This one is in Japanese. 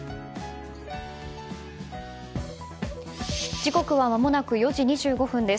時刻はまもなく４時２５分です。